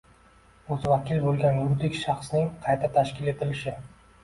o‘zi vakil bo‘lgan yuridik shaxsning qayta tashkil etilishi